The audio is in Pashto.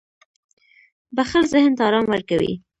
• بښل ذهن ته آرام ورکوي.